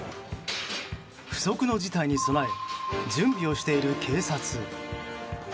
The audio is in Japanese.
不測の事態に備え準備をしている警察。